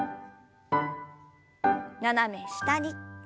斜め下に。